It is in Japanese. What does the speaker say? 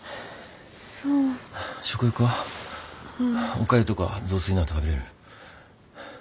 おかゆとか雑炊なら食べれる？